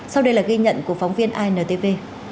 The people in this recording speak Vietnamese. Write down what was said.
sau đây là ghi nhận của phóng viên intv